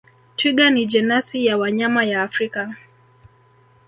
Twiga ni jenasi ya wanyama ya Afrika